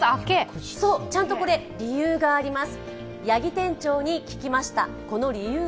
ちゃんとこれ、理由があります。